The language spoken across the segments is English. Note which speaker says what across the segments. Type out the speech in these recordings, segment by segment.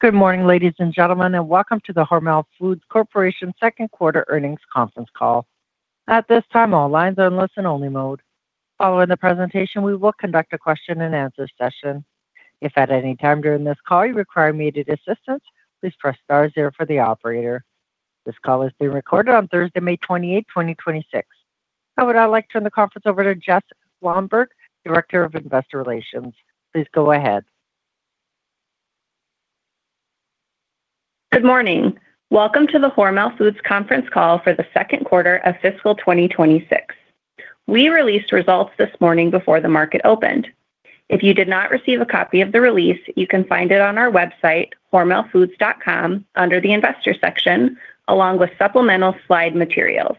Speaker 1: Good morning, ladies and gentlemen, and welcome to the Hormel Foods Corporation second quarter earnings conference call. At this time, all lines are in listen only mode. Following the presentation, we will conduct a question and answer session. If at any time during this call you require immediate assistance, please press star zero for the operator. This call is being recorded on Thursday, May 28, 2026. Now I would like to turn the conference over to Jess Blomberg, Director of Investor Relations. Please go ahead.
Speaker 2: Good morning. Welcome to the Hormel Foods conference call for the second quarter of fiscal 2026. We released results this morning before the market opened. If you did not receive a copy of the release, you can find it on our website, hormelfoods.com, under the investor section, along with supplemental slide materials.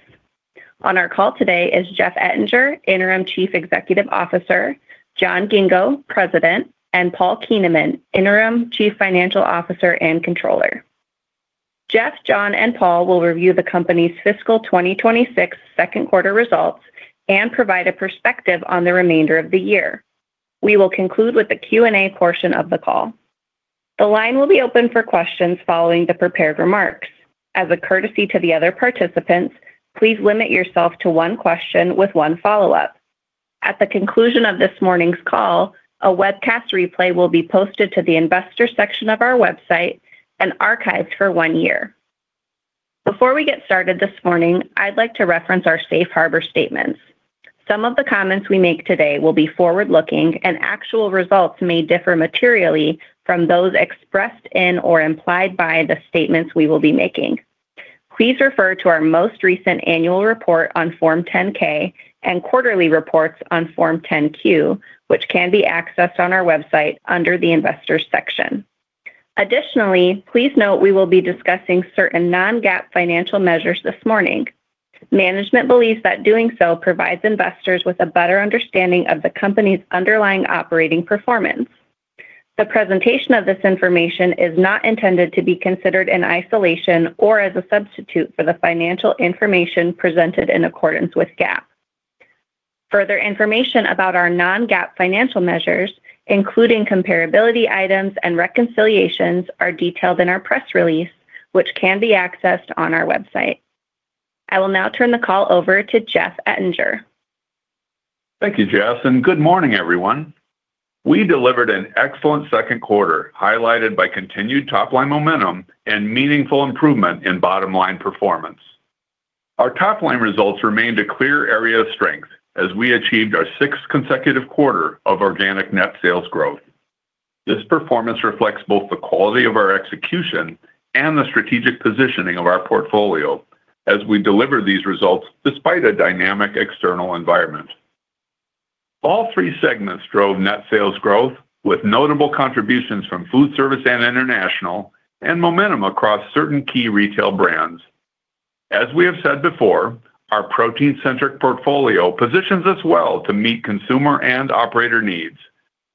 Speaker 2: On our call today is Jeff Ettinger, Interim Chief Executive Officer, John Ghingo, President, and Paul Kuehneman, Interim Chief Financial Officer and Controller. Jeff, John, and Paul will review the company's fiscal 2026 second quarter results and provide a perspective on the remainder of the year. We will conclude with the Q&A portion of the call. The line will be open for questions following the prepared remarks. As a courtesy to the other participants, please limit yourself to one question with one follow-up. At the conclusion of this morning's call, a webcast replay will be posted to the investor section of our website and archived for one year. Before we get started this morning, I'd like to reference our safe harbor statements. Some of the comments we make today will be forward-looking, and actual results may differ materially from those expressed in or implied by the statements we will be making. Please refer to our most recent annual report on Form 10-K and quarterly reports on Form 10-Q, which can be accessed on our website under the investors section. Additionally, please note we will be discussing certain non-GAAP financial measures this morning. Management believes that doing so provides investors with a better understanding of the company's underlying operating performance. The presentation of this information is not intended to be considered in isolation or as a substitute for the financial information presented in accordance with GAAP. Further information about our non-GAAP financial measures, including comparability items and reconciliations, are detailed in our press release, which can be accessed on our website. I will now turn the call over to Jeff Ettinger.
Speaker 3: Thank you, Jess, and good morning, everyone. We delivered an excellent second quarter, highlighted by continued top-line momentum and meaningful improvement in bottom-line performance. Our top-line results remained a clear area of strength as we achieved our sixth consecutive quarter of organic net sales growth. This performance reflects both the quality of our execution and the strategic positioning of our portfolio as we deliver these results despite a dynamic external environment. All three segments drove net sales growth, with notable contributions from Foodservice and international, and momentum across certain key retail brands. As we have said before, our protein-centric portfolio positions us well to meet consumer and operator needs,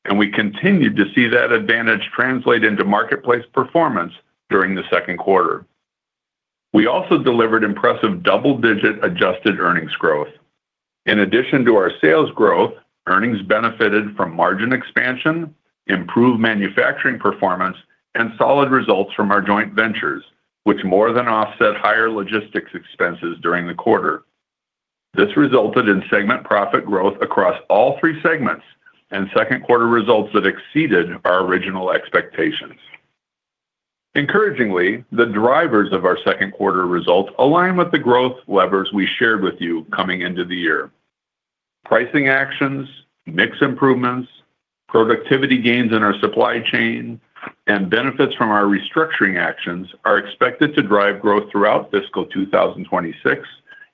Speaker 3: and we continued to see that advantage translate into marketplace performance during the second quarter. We also delivered impressive double-digit adjusted earnings growth. In addition to our sales growth, earnings benefited from margin expansion, improved manufacturing performance, and solid results from our joint ventures, which more than offset higher logistics expenses during the quarter. This resulted in segment profit growth across all three segments and second quarter results that exceeded our original expectations. Encouragingly, the drivers of our second quarter results align with the growth levers we shared with you coming into the year. Pricing actions, mix improvements, productivity gains in our supply chain, and benefits from our restructuring actions are expected to drive growth throughout fiscal 2026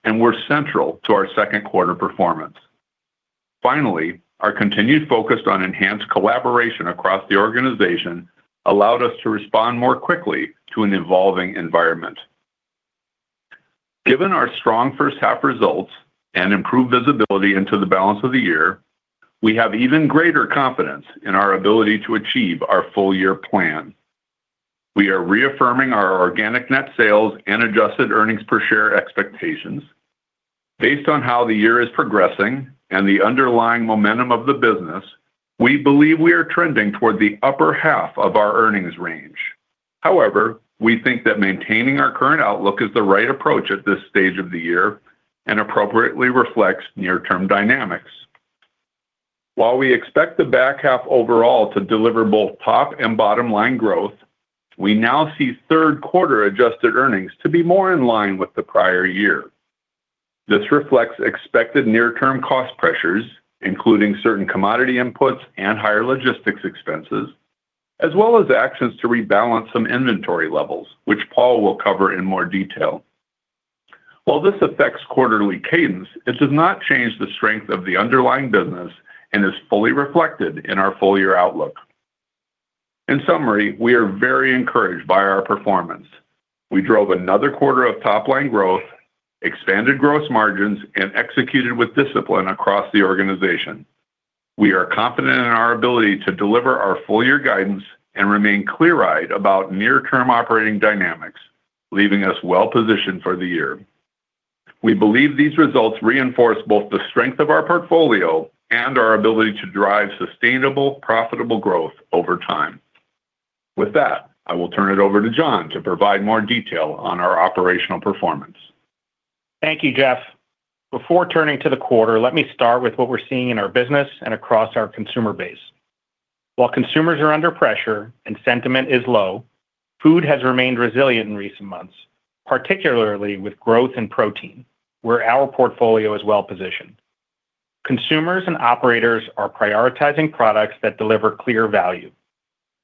Speaker 3: and were central to our second quarter performance. Finally, our continued focus on enhanced collaboration across the organization allowed us to respond more quickly to an evolving environment. Given our strong first half results and improved visibility into the balance of the year, we have even greater confidence in our ability to achieve our full-year plan. We are reaffirming our organic net sales and adjusted earnings per share expectations. Based on how the year is progressing and the underlying momentum of the business, we believe we are trending toward the upper half of our earnings range. We think that maintaining our current outlook is the right approach at this stage of the year and appropriately reflects near-term dynamics. While we expect the back half overall to deliver both top and bottom-line growth, we now see third quarter adjusted earnings to be more in line with the prior year. This reflects expected near-term cost pressures, including certain commodity inputs and higher logistics expenses, as well as actions to rebalance some inventory levels, which Paul will cover in more detail. While this affects quarterly cadence, it does not change the strength of the underlying business and is fully reflected in our full-year outlook. In summary, we are very encouraged by our performance. We drove another quarter of top-line growth, expanded gross margins, and executed with discipline across the organization. We are confident in our ability to deliver our full-year guidance and remain clear-eyed about near-term operating dynamics, leaving us well positioned for the year. We believe these results reinforce both the strength of our portfolio and our ability to drive sustainable, profitable growth over time. With that, I will turn it over to John to provide more detail on our operational performance.
Speaker 4: Thank you, Jeff. Before turning to the quarter, let me start with what we're seeing in our business and across our consumer base. While consumers are under pressure and sentiment is low, food has remained resilient in recent months, particularly with growth in protein, where our portfolio is well-positioned. Consumers and operators are prioritizing products that deliver clear value.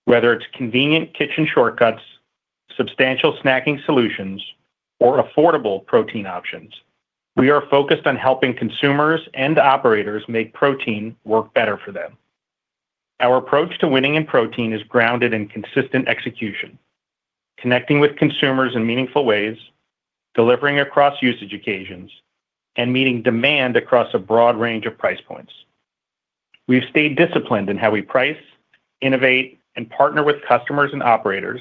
Speaker 4: Whether it's convenient kitchen shortcuts, substantial snacking solutions, or affordable protein options, we are focused on helping consumers and operators make protein work better for them. Our approach to winning in protein is grounded in consistent execution, connecting with consumers in meaningful ways, delivering across usage occasions, and meeting demand across a broad range of price points. We've stayed disciplined in how we price, innovate, and partner with customers and operators,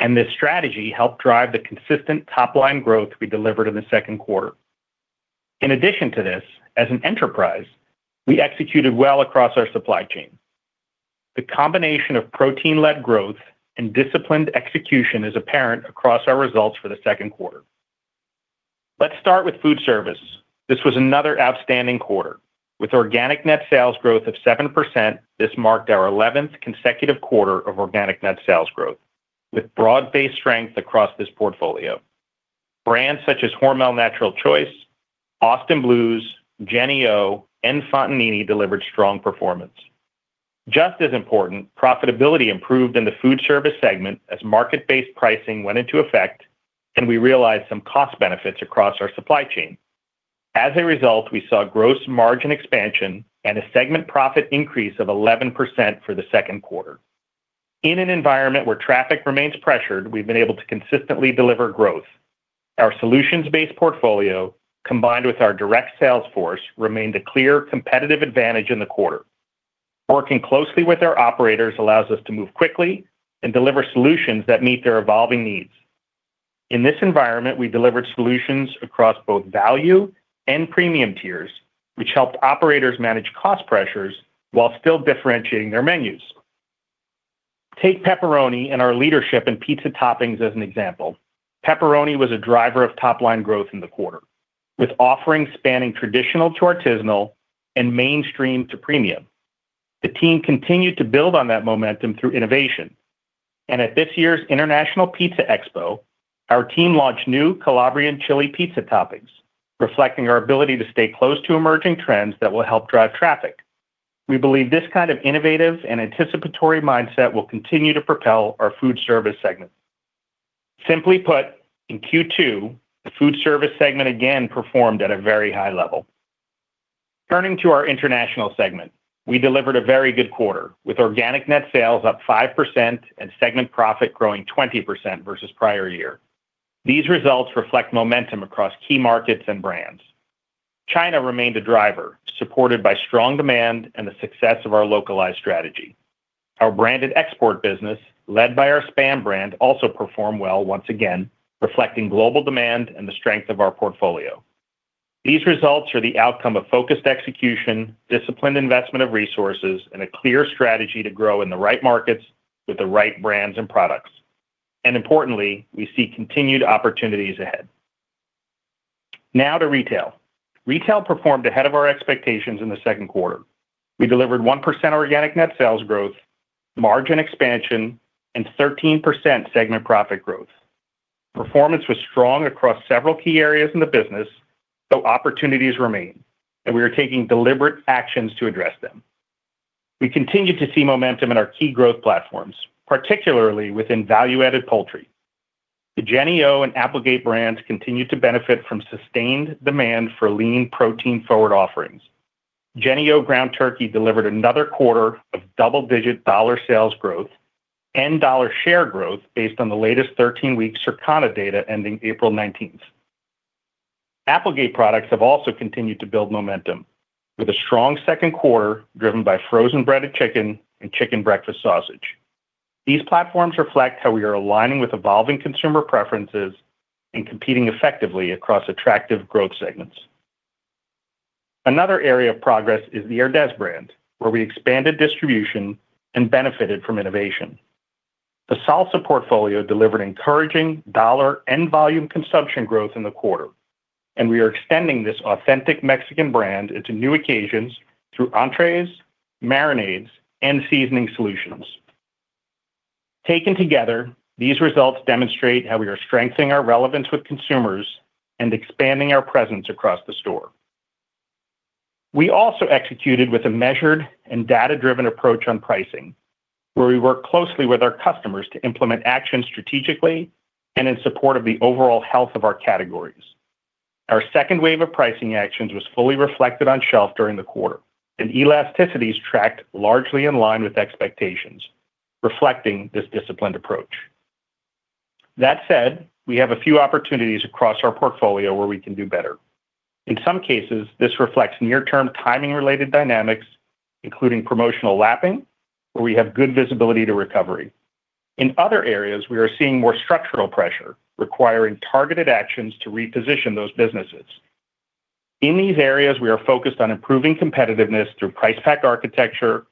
Speaker 4: and this strategy helped drive the consistent top-line growth we delivered in the second quarter. In addition to this, as an enterprise, we executed well across our supply chain. The combination of protein-led growth and disciplined execution is apparent across our results for the second quarter. Let's start with Foodservice. This was another outstanding quarter. With organic net sales growth of 7%, this marked our 11th consecutive quarter of organic net sales growth, with broad-based strength across this portfolio. Brands such as HORMEL NATURAL CHOICE, AUSTIN BLUES, JENNIE-O, and FONTANINI delivered strong performance. Just as important, profitability improved in the Foodservice segment as market-based pricing went into effect, and we realized some cost benefits across our supply chain. As a result, we saw gross margin expansion and a segment profit increase of 11% for the second quarter. In an environment where traffic remains pressured, we've been able to consistently deliver growth. Our solutions-based portfolio, combined with our direct sales force, remained a clear competitive advantage in the quarter. Working closely with our operators allows us to move quickly and deliver solutions that meet their evolving needs. In this environment, we delivered solutions across both value and premium tiers, which helped operators manage cost pressures while still differentiating their menus. Take pepperoni and our leadership in pizza toppings as an example. Pepperoni was a driver of top-line growth in the quarter, with offerings spanning traditional to artisanal and mainstream to premium. The team continued to build on that momentum through innovation. At this year's International Pizza Expo, our team launched new Calabrian chili pizza toppings, reflecting our ability to stay close to emerging trends that will help drive traffic. We believe this kind of innovative and anticipatory mindset will continue to propel our Foodservice segment. Simply put, in Q2, the Foodservice segment again performed at a very high level. Turning to our international segment, we delivered a very good quarter, with organic net sales up 5% and segment profit growing 20% versus prior year. These results reflect momentum across key markets and brands. China remained a driver, supported by strong demand and the success of our localized strategy. Our branded export business, led by our SPAM brand, also performed well once again, reflecting global demand and the strength of our portfolio. These results are the outcome of focused execution, disciplined investment of resources, and a clear strategy to grow in the right markets with the right brands and products. Importantly, we see continued opportunities ahead. Now to retail. Retail performed ahead of our expectations in the second quarter. We delivered 1% organic net sales growth, margin expansion, and 13% segment profit growth. Performance was strong across several key areas in the business, though opportunities remain, and we are taking deliberate actions to address them. We continue to see momentum in our key growth platforms, particularly within value-added poultry. The JENNIE-O and Applegate brands continue to benefit from sustained demand for lean protein-forward offerings. JENNIE-O ground turkey delivered another quarter of double-digit dollar sales growth and dollar share growth based on the latest 13-week Circana data ending April 19th. Applegate products have also continued to build momentum, with a strong second quarter driven by frozen breaded chicken and chicken breakfast sausage. These platforms reflect how we are aligning with evolving consumer preferences and competing effectively across attractive growth segments. Another area of progress is the HERDEZ brand, where we expanded distribution and benefited from innovation. The salsa portfolio delivered encouraging dollar and volume consumption growth in the quarter, and we are extending this authentic Mexican brand into new occasions through entrees, marinades, and seasoning solutions. Taken together, these results demonstrate how we are strengthening our relevance with consumers and expanding our presence across the store. We also executed with a measured and data-driven approach on pricing, where we work closely with our customers to implement actions strategically and in support of the overall health of our categories. Our second wave of pricing actions was fully reflected on shelf during the quarter, and elasticities tracked largely in line with expectations, reflecting this disciplined approach. That said, we have a few opportunities across our portfolio where we can do better. In some cases, this reflects near-term timing-related dynamics, including promotional lapping, where we have good visibility to recovery. In other areas, we are seeing more structural pressure, requiring targeted actions to reposition those businesses. In these areas, we are focused on improving competitiveness through price/pack architecture,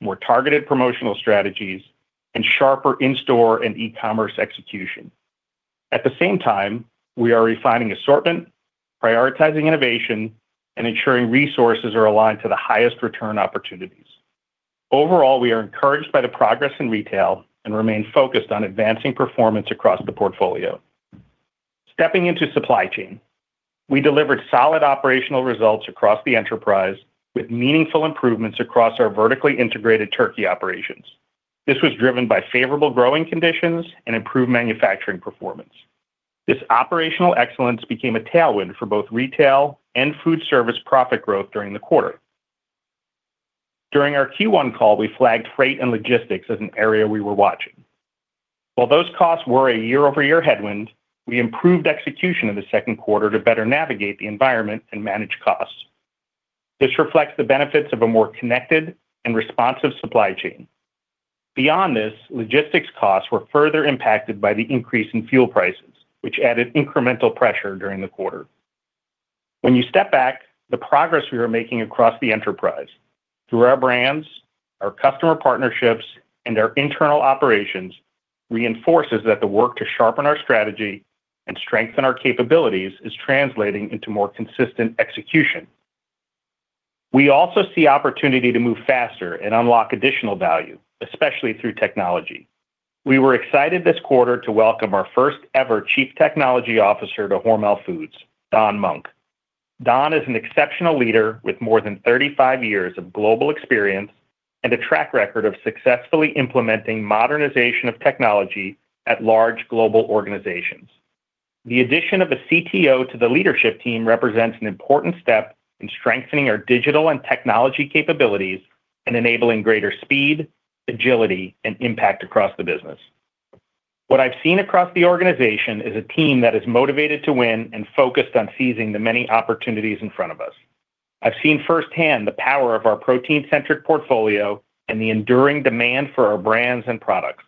Speaker 4: more targeted promotional strategies, and sharper in-store and e-commerce execution. At the same time, we are refining assortment, prioritizing innovation, and ensuring resources are aligned to the highest return opportunities. Overall, we are encouraged by the progress in retail and remain focused on advancing performance across the portfolio. Stepping into supply chain, we delivered solid operational results across the enterprise with meaningful improvements across our vertically integrated turkey operations. This was driven by favorable growing conditions and improved manufacturing performance. This operational excellence became a tailwind for both retail and Foodservice profit growth during the quarter. During our Q1 call, we flagged freight and logistics as an area we were watching. While those costs were a year-over-year headwind, we improved execution in the second quarter to better navigate the environment and manage costs. This reflects the benefits of a more connected and responsive supply chain. Beyond this, logistics costs were further impacted by the increase in fuel prices, which added incremental pressure during the quarter. When you step back, the progress we are making across the enterprise, through our brands, our customer partnerships, and our internal operations, reinforces that the work to sharpen our strategy and strengthen our capabilities is translating into more consistent execution. We also see opportunity to move faster and unlock additional value, especially through technology. We were excited this quarter to welcome our first ever Chief Technology Officer to Hormel Foods, Don Monk. Don is an exceptional leader with more than 35 years of global experience and a track record of successfully implementing modernization of technology at large global organizations. The addition of a CTO to the leadership team represents an important step in strengthening our digital and technology capabilities and enabling greater speed, agility, and impact across the business. What I've seen across the organization is a team that is motivated to win and focused on seizing the many opportunities in front of us. I've seen firsthand the power of our protein-centric portfolio and the enduring demand for our brands and products.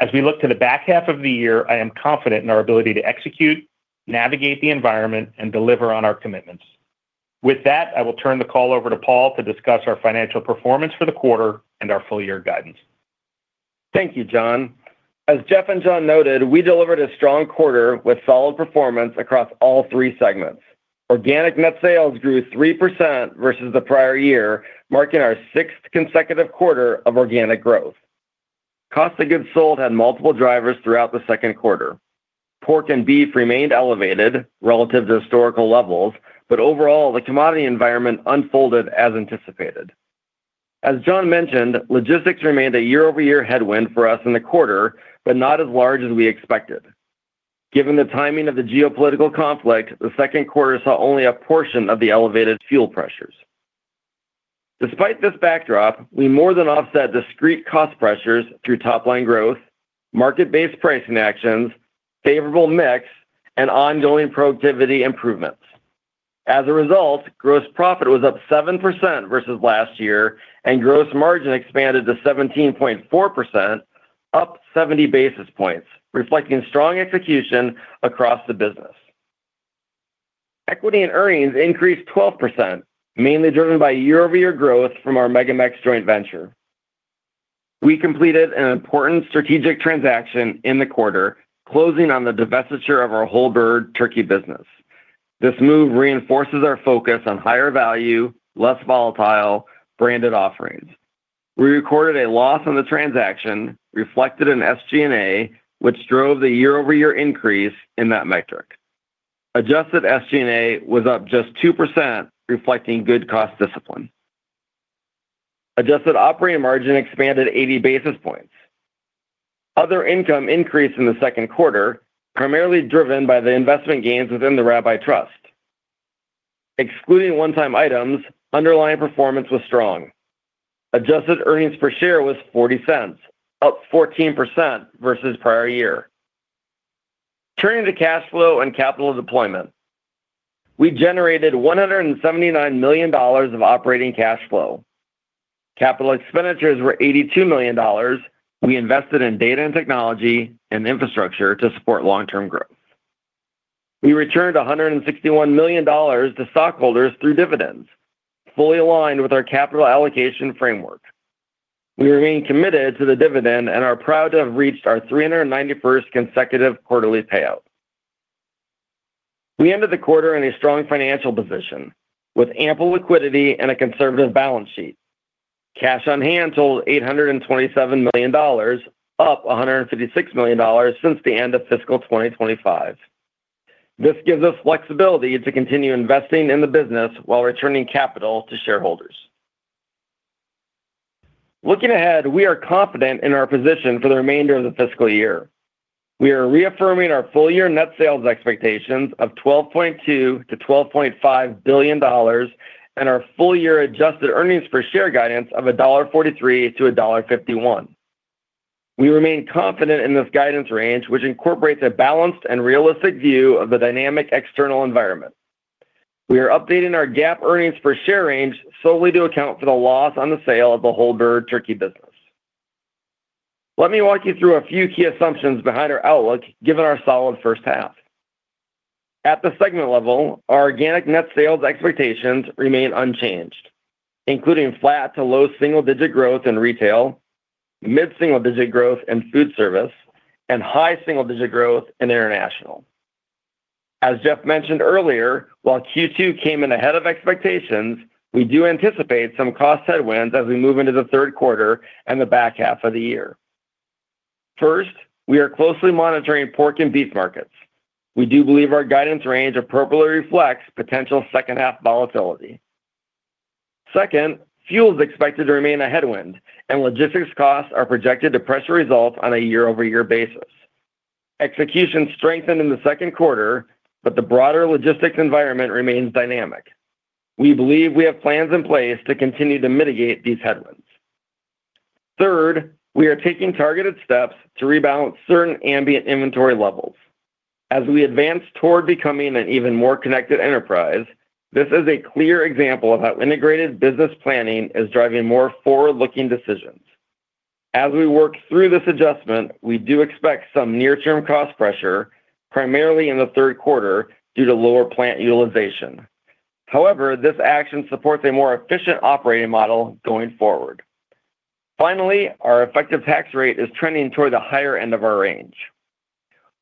Speaker 4: As we look to the back half of the year, I am confident in our ability to execute, navigate the environment, and deliver on our commitments. With that, I will turn the call over to Paul to discuss our financial performance for the quarter and our full year guidance.
Speaker 5: Thank you, John. As Jeff and John noted, we delivered a strong quarter with solid performance across all three segments. Organic net sales grew 3% versus the prior year, marking our sixth consecutive quarter of organic growth. Cost of goods sold had multiple drivers throughout Q2. Pork and beef remained elevated relative to historical levels. Overall, the commodity environment unfolded as anticipated. As John mentioned, logistics remained a year-over-year headwind for us in the quarter. Not as large as we expected. Given the timing of the geopolitical conflict, Q2 saw only a portion of the elevated fuel pressures. Despite this backdrop, we more than offset discrete cost pressures through top-line growth, market-based pricing actions, favorable mix, and ongoing productivity improvements. As a result, gross profit was up 7% versus last year, and gross margin expanded to 17.4%, up 70 basis points, reflecting strong execution across the business. Equity and earnings increased 12%, mainly driven by year-over-year growth from our MegaMex joint venture. We completed an important strategic transaction in the quarter, closing on the divestiture of our whole-bird turkey business. This move reinforces our focus on higher value, less volatile, branded offerings. We recorded a loss on the transaction, reflected in SG&A, which drove the year-over-year increase in that metric. Adjusted SG&A was up just 2%, reflecting good cost discipline. Adjusted operating margin expanded 80 basis points. Other income increased in the second quarter, primarily driven by the investment gains within the rabbi trust. Excluding one-time items, underlying performance was strong. Adjusted earnings per share was $0.40, up 14% versus prior year. Turning to cash flow and capital deployment, we generated $179 million of operating cash flow. Capital expenditures were $82 million. We invested in data and technology and infrastructure to support long-term growth. We returned $161 million to stockholders through dividends, fully aligned with our capital allocation framework. We remain committed to the dividend and are proud to have reached our 391st consecutive quarterly payout. We ended the quarter in a strong financial position with ample liquidity and a conservative balance sheet. Cash on hand totaled $827 million, up $156 million since the end of fiscal 2025. This gives us flexibility to continue investing in the business while returning capital to shareholders. Looking ahead, we are confident in our position for the remainder of the fiscal year. We are reaffirming our full-year net sales expectations of $12.2 billion-$12.5 billion and our full-year adjusted earnings per share guidance of $1.43-$1.51. We remain confident in this guidance range, which incorporates a balanced and realistic view of the dynamic external environment. We are updating our GAAP earnings per share range solely to account for the loss on the sale of the whole-bird turkey business. Let me walk you through a few key assumptions behind our outlook, given our solid first half. At the segment level, our organic net sales expectations remain unchanged, including flat to low single-digit growth in retail, mid-single digit growth in Foodservice, and high single-digit growth in international. As Jeff mentioned earlier, while Q2 came in ahead of expectations, we do anticipate some cost headwinds as we move into the third quarter and the back half of the year. First, we are closely monitoring pork and beef markets. We do believe our guidance range appropriately reflects potential second half volatility. Second, fuel is expected to remain a headwind and logistics costs are projected to pressure results on a year-over-year basis. Execution strengthened in the second quarter, but the broader logistics environment remains dynamic. We believe we have plans in place to continue to mitigate these headwinds. Third, we are taking targeted steps to rebalance certain ambient inventory levels. As we advance toward becoming an even more connected enterprise, this is a clear example of how integrated business planning is driving more forward-looking decisions. As we work through this adjustment, we do expect some near-term cost pressure, primarily in the third quarter, due to lower plant utilization. However, this action supports a more efficient operating model going forward. Our effective tax rate is trending toward the higher end of our range.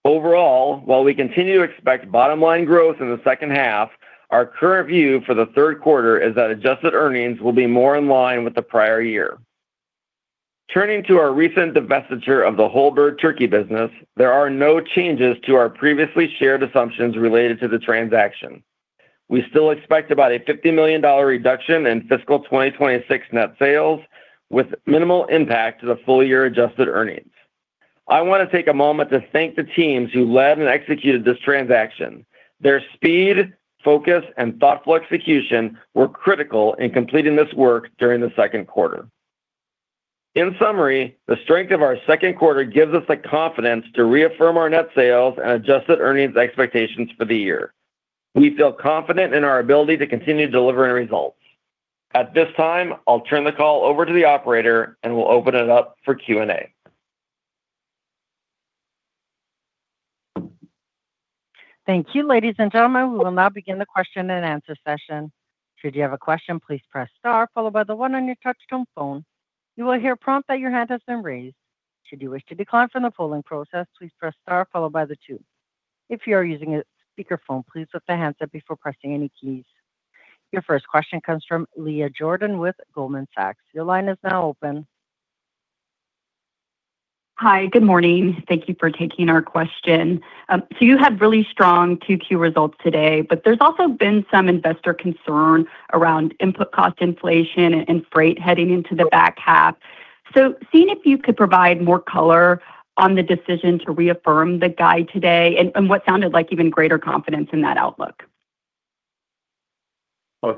Speaker 5: While we continue to expect bottom-line growth in the second half, our current view for the third quarter is that adjusted earnings will be more in line with the prior year. Turning to our recent divestiture of the whole-bird turkey business, there are no changes to our previously shared assumptions related to the transaction. We still expect about a $50 million reduction in fiscal 2026 net sales, with minimal impact to the full-year adjusted earnings. I want to take a moment to thank the teams who led and executed this transaction. Their speed, focus, and thoughtful execution were critical in completing this work during the second quarter. The strength of our second quarter gives us the confidence to reaffirm our net sales and adjusted earnings expectations for the year. We feel confident in our ability to continue delivering results. At this time, I'll turn the call over to the operator and we'll open it up for Q&A.
Speaker 1: Thank you, ladies and gentlemen. We will now begin the question and answer session. If you have a question, please press star followed by the one on your touch-tone phone. You will hear a prompt that your hand has been raised. Should you wish to decline from the polling process, please press star followed by the two. If you are using a speakerphone, please put the hands up before pressing any keys. Your first question comes from Leah Jordan with Goldman Sachs. Your line is now open.
Speaker 6: Hi, good morning. Thank you for taking our question. You had really strong Q2 results today, but there's also been some investor concern around input cost inflation and freight heading into the back half. Seeing if you could provide more color on the decision to reaffirm the guide today and what sounded like even greater confidence in that outlook.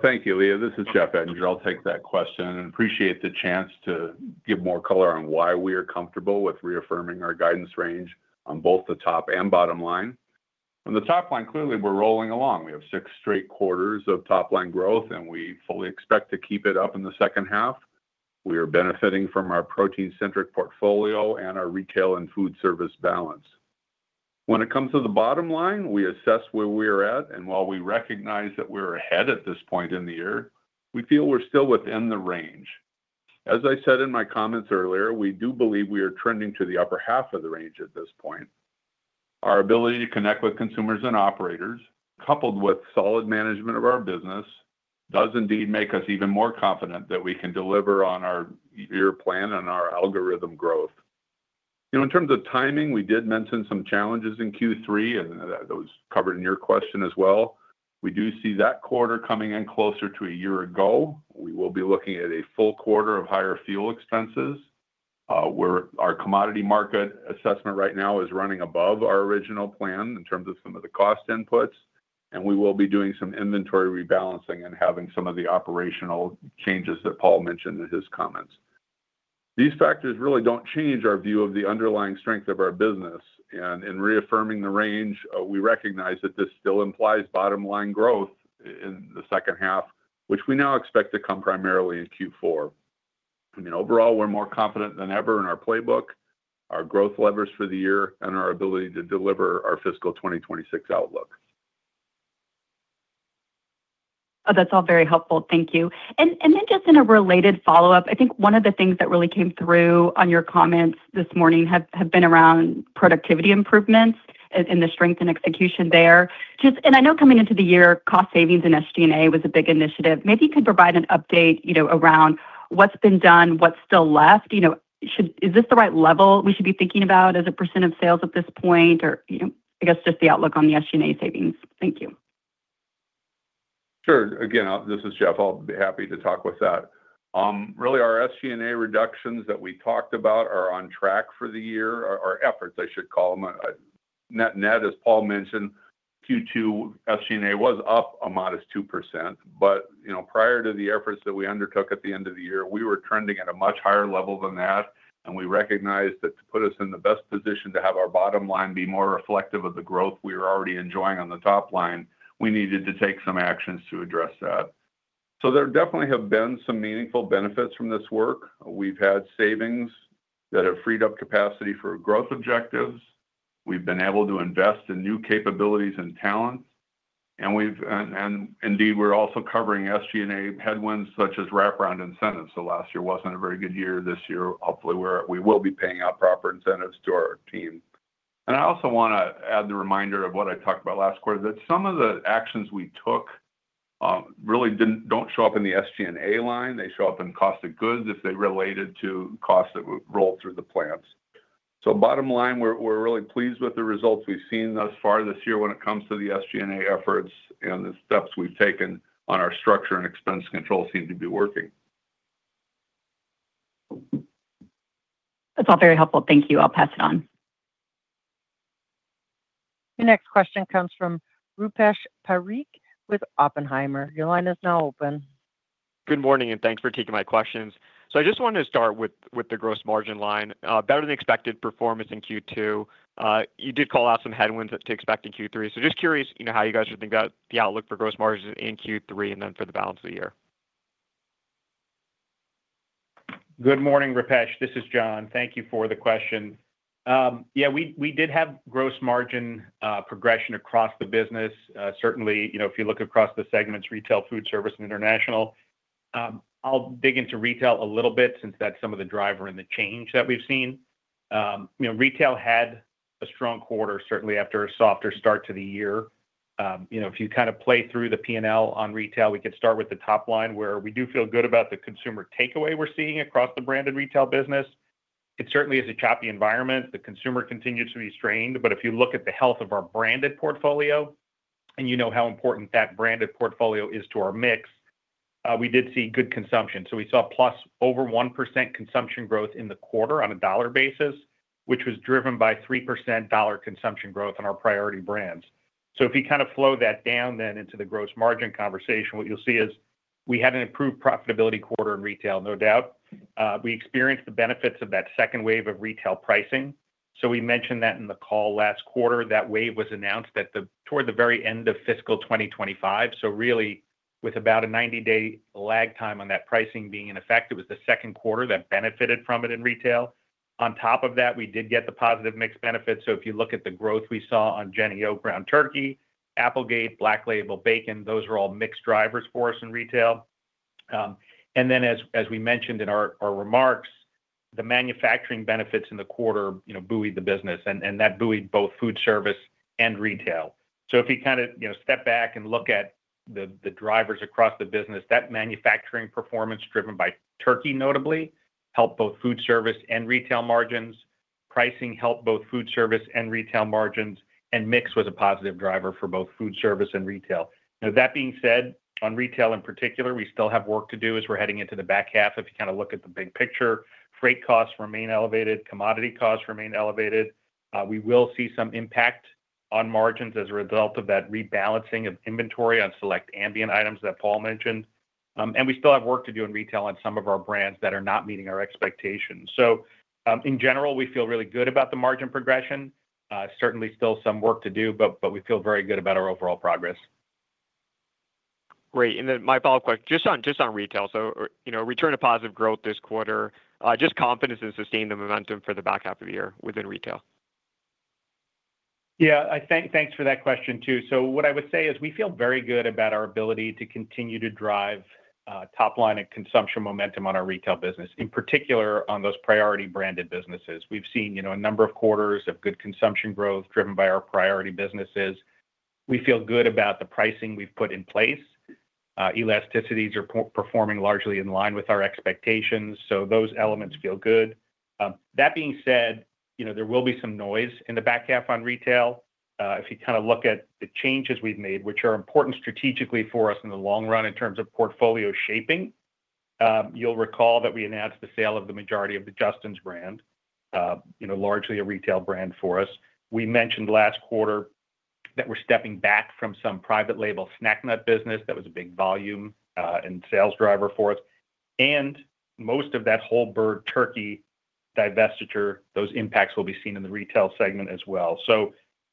Speaker 3: Thank you, Leah. This is Jeff Ettinger. I'll take that question and appreciate the chance to give more color on why we are comfortable with reaffirming our guidance range on both the top and bottom line. On the top line, clearly we're rolling along. We have six straight quarters of top-line growth, and we fully expect to keep it up in the second half. We are benefiting from our protein-centric portfolio and our retail and Foodservice balance. When it comes to the bottom line, we assess where we are at, and while we recognize that we're ahead at this point in the year, we feel we're still within the range. As I said in my comments earlier, we do believe we are trending to the upper half of the range at this point. Our ability to connect with consumers and operators, coupled with solid management of our business, does indeed make us even more confident that we can deliver on our year plan and our algorithm growth. In terms of timing, we did mention some challenges in Q3 and that was covered in your question as well. We do see that quarter coming in closer to a year ago. We will be looking at a full quarter of higher fuel expenses where our commodity market assessment right now is running above our original plan in terms of some of the cost inputs, and we will be doing some inventory rebalancing and having some of the operational changes that Paul mentioned in his comments. These factors really don't change our view of the underlying strength of our business. In reaffirming the range, we recognize that this still implies bottom-line growth in the second half, which we now expect to come primarily in Q4. Overall, we're more confident than ever in our playbook, our growth levers for the year, and our ability to deliver our fiscal 2026 outlook.
Speaker 6: That's all very helpful. Thank you. Then just in a related follow-up, I think one of the things that really came through on your comments this morning have been around productivity improvements and the strength and execution there. I know coming into the year, cost savings and SG&A was a big initiative. Maybe you could provide an update around what's been done, what's still left. Is this the right level we should be thinking about as a percent of sales at this point? I guess just the outlook on the SG&A savings. Thank you.
Speaker 3: Sure. Again, this is Jeff. I'll be happy to talk with that. Really our SG&A reductions that we talked about are on track for the year. Our efforts, I should call them. Net net as Paul mentioned, Q2 SG&A was up a modest 2%. Prior to the efforts that we undertook at the end of the year, we were trending at a much higher level than that, and we recognized that to put us in the best position to have our bottom line be more reflective of the growth we were already enjoying on the top line, we needed to take some actions to address that. There definitely have been some meaningful benefits from this work. We've had savings that have freed up capacity for growth objectives. We've been able to invest in new capabilities and talent. Indeed, we're also covering SG&A headwinds such as wraparound incentives. Last year wasn't a very good year. This year, hopefully, we will be paying out proper incentives to our team. I also want to add the reminder of what I talked about last quarter, that some of the actions we took really don't show up in the SG&A line. They show up in cost of goods if they related to costs that roll through the plants. Bottom line, we're really pleased with the results we've seen thus far this year when it comes to the SG&A efforts, and the steps we've taken on our structure and expense control seem to be working.
Speaker 6: That's all very helpful. Thank you. I'll pass it on.
Speaker 1: Your next question comes from Rupesh Parikh with Oppenheimer. Your line is now open.
Speaker 7: Good morning, thanks for taking my questions. I just wanted to start with the gross margin line. Better than expected performance in Q2. You did call out some headwinds to expect in Q3. I'm just curious how you guys are thinking about the outlook for gross margins in Q3 and then for the balance of the year.
Speaker 4: Good morning, Rupesh. This is John. Thank you for the question. Yeah, we did have gross margin progression across the business, certainly if you look across the segments, retail, Foodservice and international. I'll dig into retail a little bit since that's some of the driver in the change that we've seen. Retail had a strong quarter, certainly after a softer start to the year. If you play through the P&L on retail, we could start with the top line, where we do feel good about the consumer takeaway we're seeing across the branded retail business. It certainly is a choppy environment. The consumer continues to be strained, if you look at the health of our branded portfolio, and you know how important that branded portfolio is to our mix, we did see good consumption. We saw over +1% consumption growth in the quarter on a dollar basis, which was driven by 3% dollar consumption growth in our priority brands. If you kind of flow that down then into the gross margin conversation, what you'll see is we had an improved profitability quarter in retail, no doubt. We experienced the benefits of that second wave of retail pricing. We mentioned that in the call last quarter. That wave was announced toward the very end of fiscal 2025. Really with about a 90-day lag time on that pricing being in effect, it was the second quarter that benefited from it in retail. On top of that, we did get the positive mix benefit. If you look at the growth we saw on JENNIE-O ground turkey, Applegate, BLACK LABEL bacon, those are all mix drivers for us in retail. As we mentioned in our remarks, the manufacturing benefits in the quarter buoyed the business, and that buoyed both Foodservice and retail. If you step back and look at the drivers across the business, that manufacturing performance driven by turkey notably helped both Foodservice and retail margins. Pricing helped both Foodservice and retail margins, and mix was a positive driver for both Foodservice and retail. That being said, on retail in particular, we still have work to do as we're heading into the back half. If you look at the big picture, freight costs remain elevated, commodity costs remain elevated. We will see some impact on margins as a result of that rebalancing of inventory on select ambient items that Paul mentioned. We still have work to do in retail on some of our brands that are not meeting our expectations. In general, we feel really good about the margin progression. Certainly still some work to do, but we feel very good about our overall progress.
Speaker 7: Great. My follow-up question, just on retail. Return to positive growth this quarter. Just confidence in sustaining the momentum for the back half of the year within retail?
Speaker 4: Thanks for that question, too. What I would say is we feel very good about our ability to continue to drive top-line and consumption momentum on our retail business, in particular on those priority branded businesses. We've seen a number of quarters of good consumption growth driven by our priority businesses. We feel good about the pricing we've put in place. Elasticities are performing largely in line with our expectations, those elements feel good. That being said, there will be some noise in the back half on retail. If you look at the changes we've made, which are important strategically for us in the long run in terms of portfolio shaping. You'll recall that we announced the sale of the majority of the JUSTIN'S brand, largely a retail brand for us. We mentioned last quarter that we're stepping back from some private label snack nut business that was a big volume and sales driver for us. Most of that whole-bird turkey divestiture, those impacts will be seen in the retail segment as well.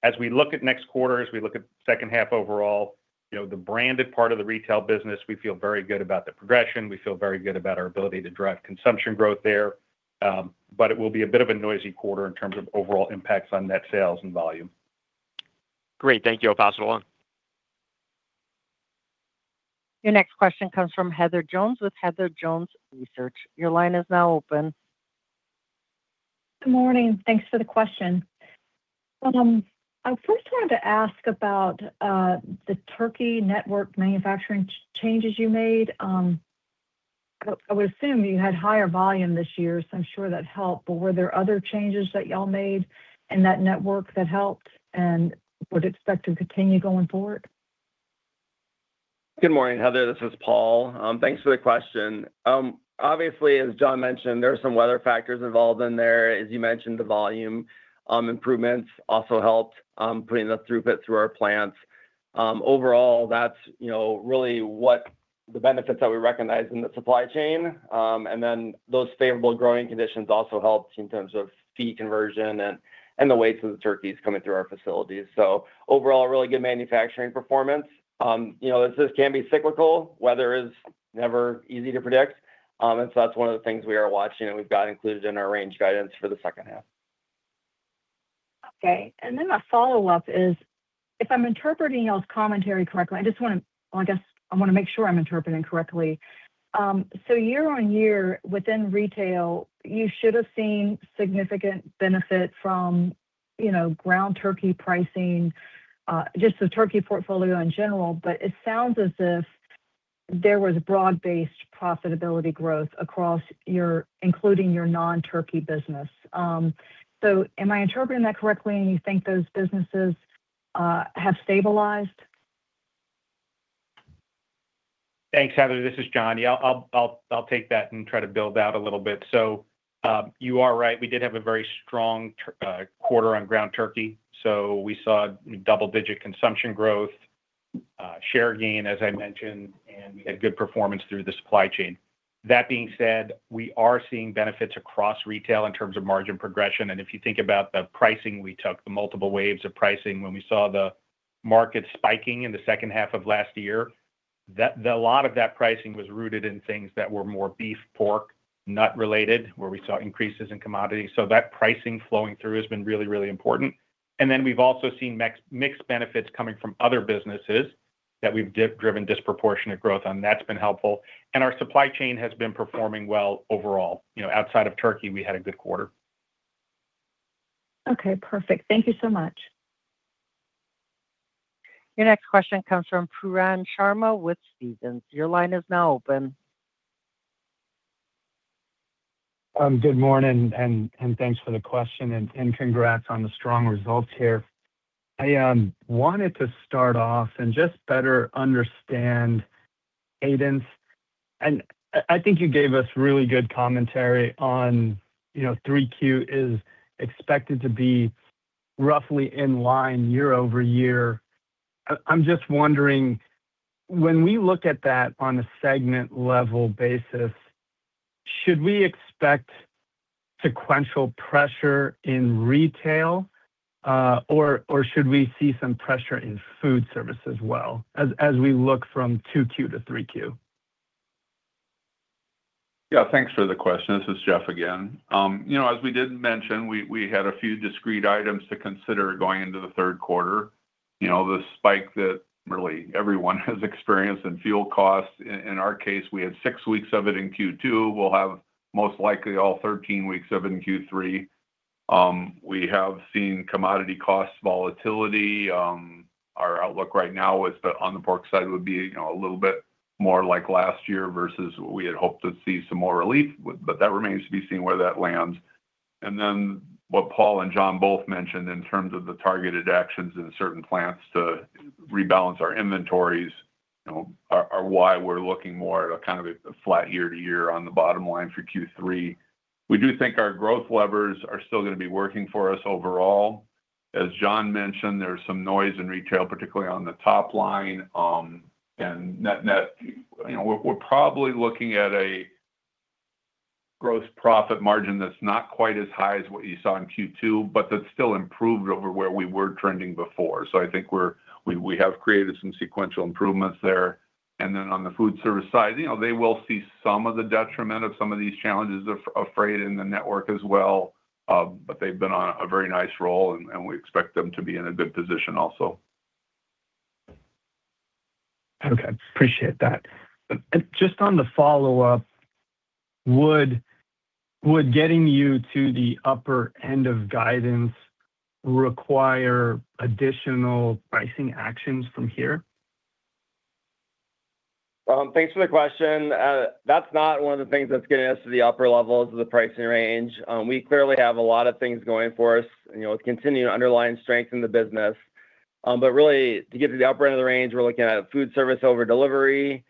Speaker 4: As we look at next quarter, as we look at the second half overall, the branded part of the retail business, we feel very good about the progression. We feel very good about our ability to drive consumption growth there. But it will be a bit of a noisy quarter in terms of overall impacts on net sales and volume.
Speaker 7: Great. Thank you. I'll pass it along.
Speaker 1: Your next question comes from Heather Jones with Heather Jones Research. Your line is now open.
Speaker 8: Good morning. Thanks for the question. I first wanted to ask about the turkey network manufacturing changes you made. I would assume you had higher volume this year, so I'm sure that helped, but were there other changes that y'all made in that network that helped, and would it expect to continue going forward?
Speaker 5: Good morning, Heather. This is Paul. Thanks for the question. Obviously, as John mentioned, there are some weather factors involved in there. As you mentioned, the volume improvements also helped putting the throughput through our plants. Overall that's really what the benefits that we recognize in the supply chain, and then those favorable growing conditions also helped in terms of feed conversion and the weights of the turkeys coming through our facilities. Overall, really good manufacturing performance. This can be cyclical. Weather is never easy to predict. That's one of the things we are watching, and we've got included in our range guidance for the second half.
Speaker 8: Okay. My follow-up is, if I'm interpreting y'all's commentary correctly, I want to make sure I'm interpreting correctly. Year-on-year within retail, you should have seen significant benefit from ground turkey pricing, just the turkey portfolio in general. It sounds as if there was broad-based profitability growth including your non-turkey business. Am I interpreting that correctly and you think those businesses have stabilized?
Speaker 4: Thanks, Heather. This is John. Yeah, I'll take that and try to build out a little bit. You are right. We did have a very strong quarter on ground turkey. We saw double-digit consumption growth, share gain, as I mentioned, and we had good performance through the supply chain. That being said, we are seeing benefits across retail in terms of margin progression. If you think about the pricing we took, the multiple waves of pricing when we saw the market spiking in the second half of last year, a lot of that pricing was rooted in things that were more beef, pork, nut related, where we saw increases in commodities. That pricing flowing through has been really, really important. We've also seen mixed benefits coming from other businesses that we've driven disproportionate growth on. That's been helpful. Our supply chain has been performing well overall. Outside of turkey, we had a good quarter.
Speaker 8: Okay, perfect. Thank you so much.
Speaker 1: Your next question comes from Pooran Sharma with Stephens. Your line is now open.
Speaker 9: Good morning. Thanks for the question and congrats on the strong results here. I wanted to start off and just better understand guidance. I think you gave us really good commentary on 3Q is expected to be roughly in line year-over-year. I'm just wondering, when we look at that on a segment-level basis, should we expect sequential pressure in retail? Or should we see some pressure in Foodservice as well as we look from 2Q to 3Q?
Speaker 3: Yeah, thanks for the question. This is Jeff again. As we did mention, we had a few discrete items to consider going into the third quarter. The spike that really everyone has experienced in fuel costs. In our case, we had six weeks of it in Q2. We'll have most likely all 13 weeks of it in Q3. We have seen commodity cost volatility. Our outlook right now on the pork side would be a little bit more like last year versus we had hoped to see some more relief, but that remains to be seen where that lands. What Paul and John both mentioned in terms of the targeted actions in certain plants to rebalance our inventories are why we're looking more at a kind of a flat year-over-year on the bottom line for Q3. We do think our growth levers are still going to be working for us overall. As John mentioned, there's some noise in retail, particularly on the top line. Net net, we're probably looking at a gross profit margin that's not quite as high as what you saw in Q2, but that's still improved over where we were trending before. I think we have created some sequential improvements there. On the Foodservice side, they will see some of the detriment of some of these challenges freight in the network as well. They've been on a very nice roll, and we expect them to be in a good position also.
Speaker 9: Okay. Appreciate that. Just on the follow-up, would getting you to the upper end of guidance require additional pricing actions from here?
Speaker 5: Thanks for the question. That's not one of the things that's getting us to the upper levels of the pricing range. Really to get to the upper end of the range, we're looking at Foodservice over delivery,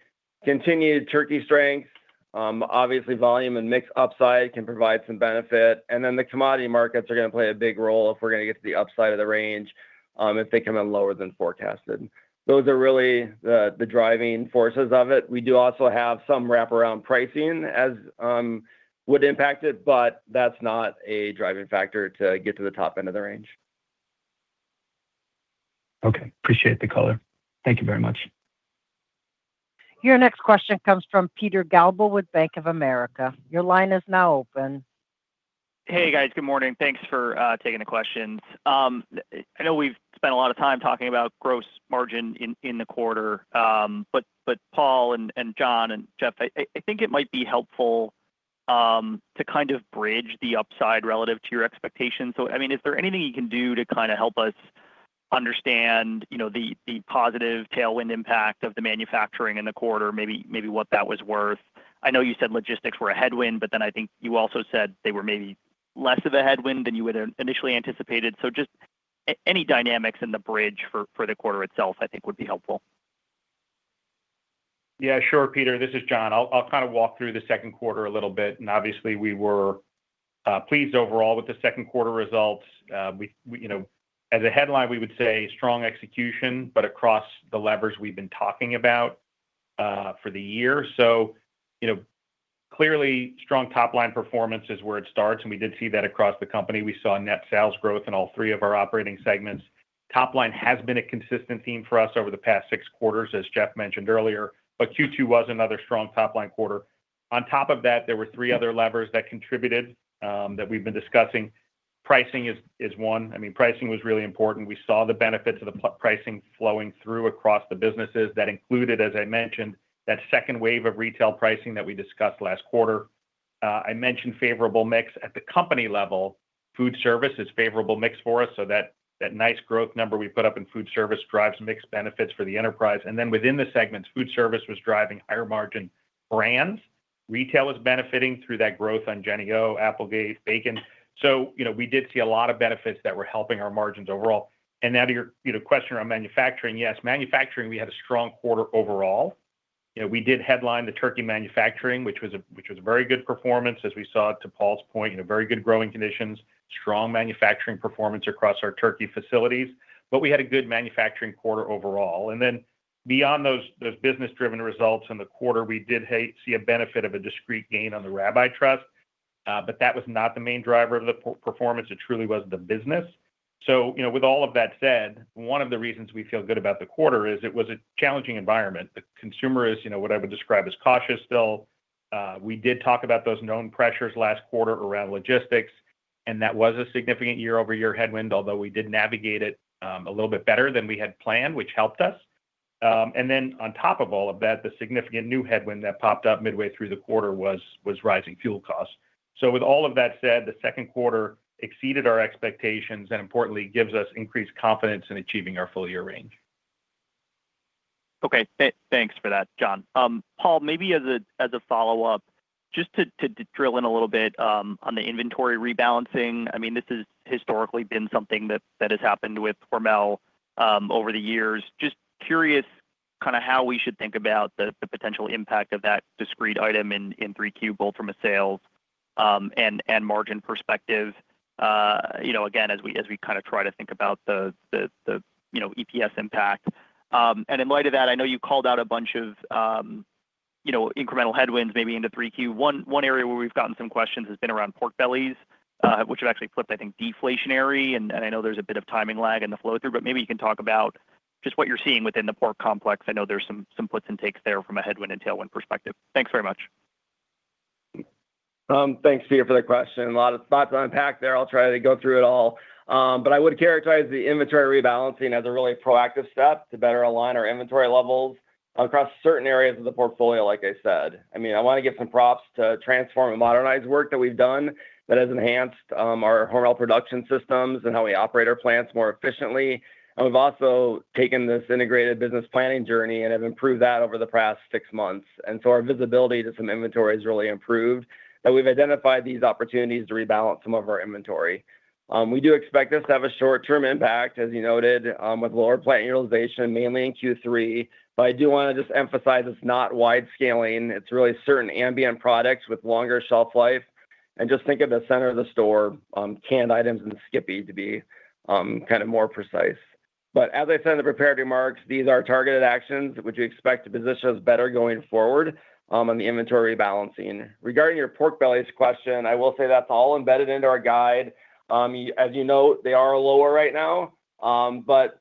Speaker 5: continued turkey strength. Obviously volume and mix upside can provide some benefit. The commodity markets are going to play a big role if we're going to get to the upside of the range, if they come in lower than forecasted. Those are really the driving forces of it. We do also have some wraparound pricing as would impact it, but that's not a driving factor to get to the top end of the range.
Speaker 9: Okay. Appreciate the color. Thank you very much.
Speaker 1: Your next question comes from Peter Galbo with Bank of America. Your line is now open.
Speaker 10: Hey, guys. Good morning. Thanks for taking the questions. Paul and John and Jeff, I think it might be helpful to kind of bridge the upside relative to your expectations. Is there anything you can do to kind of help us understand the positive tailwind impact of the manufacturing in the quarter, maybe what that was worth? I know you said logistics were a headwind, but then I think you also said they were maybe less of a headwind than you would initially anticipated. Just any dynamics in the bridge for the quarter itself, I think would be helpful.
Speaker 4: Yeah, sure, Peter. This is John. I'll kind of walk through the second quarter a little bit. Obviously we were pleased overall with the second quarter results. As a headline, we would say strong execution, across the levers we've been talking about for the year. Clearly, strong top-line performance is where it starts, and we did see that across the company. We saw net sales growth in all three of our operating segments. Top line has been a consistent theme for us over the past six quarters, as Jeff mentioned earlier. Q2 was another strong top-line quarter. On top of that, there were three other levers that contributed, that we've been discussing. Pricing is one. Pricing was really important. We saw the benefits of the pricing flowing through across the businesses. That included, as I mentioned, that second wave of retail pricing that we discussed last quarter. I mentioned favorable mix at the company level. Foodservice is a favorable mix for us, so that nice growth number we put up in Foodservice drives mixed benefits for the enterprise. Within the segments, Foodservice was driving higher-margin brands. Retail is benefiting through that growth on JENNIE-O, Applegate, bacon. We did see a lot of benefits that were helping our margins overall. Now to your question around manufacturing. Yes, manufacturing, we had a strong quarter overall. We did headline the turkey manufacturing, which was a very good performance as we saw, to Paul's point, in a very good growing conditions, strong manufacturing performance across our turkey facilities. We had a good manufacturing quarter overall. Beyond those business-driven results in the quarter, we did see a benefit of a discrete gain on the rabbi trust. That was not the main driver of the performance. It truly was the business. With all of that said, one of the reasons we feel good about the quarter is it was a challenging environment. The consumer is what I would describe as cautious still. We did talk about those known pressures last quarter around logistics, and that was a significant year-over-year headwind. Although we did navigate it a little bit better than we had planned, which helped us. Then on top of all of that, the significant new headwind that popped up midway through the quarter was rising fuel costs. With all of that said, the second quarter exceeded our expectations and importantly gives us increased confidence in achieving our full-year range.
Speaker 10: Okay. Thanks for that, John. Paul, maybe as a follow-up, just to drill in a little bit on the inventory rebalancing. This has historically been something that has happened with Hormel over the years. Just curious how we should think about the potential impact of that discrete item in 3Q, both from a sales and margin perspective. Again, as we try to think about the EPS impact. In light of that, I know you called out a bunch of incremental headwinds maybe into 3Q. One area where we've gotten some questions has been around pork bellies, which have actually flipped, I think, deflationary. I know there's a bit of timing lag in the flow-through, but maybe you can talk about just what you're seeing within the pork complex. I know there's some puts and takes there from a headwind and tailwind perspective. Thanks very much.
Speaker 5: Thanks to you for the question. A lot of spots to unpack there. I'll try to go through it all. I would characterize the inventory rebalancing as a really proactive step to better align our inventory levels across certain areas of the portfolio, like I said. I want to give some props to Transform and modernize work that we've done that has enhanced our Hormel Production System and how we operate our plants more efficiently. We've also taken this integrated business planning journey and have improved that over the past six months. Our visibility to some inventory has really improved. That we've identified these opportunities to rebalance some of our inventory. We do expect this to have a short-term impact, as you noted, with lower plant utilization, mainly in Q3. I do want to just emphasize it's not wide scaling. It's really certain ambient products with longer shelf life. Just think of the center of the store, canned items and SKIPPY to be more precise. As I said in the prepared remarks, these are targeted actions, which we expect to position us better going forward on the inventory balancing. Regarding your pork bellies question, I will say that's all embedded into our guide. As you know, they are lower right now. But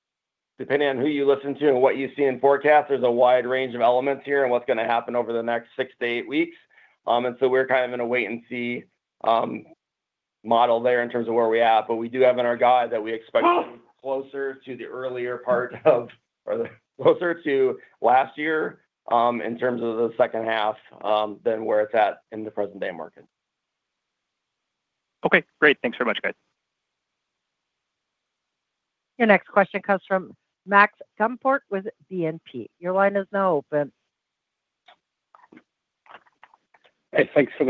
Speaker 5: depending on who you listen to and what you see in forecast, there's a wide range of elements here on what's going to happen over the next six to eight weeks. So we're in a wait-and-see model there in terms of where we are at. We do have in our guidance that we expect to be closer to the earlier part of or closer to last year, in terms of the second half, than where it's at in the present-day market.
Speaker 10: Okay, great. Thanks very much, guys.
Speaker 1: Your next question comes from Max Gumport with BNP. Your line is now open.
Speaker 11: Hey, thanks for